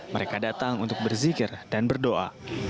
mereka datang untuk berzikir dan berdoa